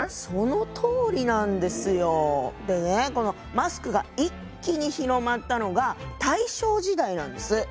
そのとおりなんですよ。でねこのマスクが一気に広まったのが大正時代なんです。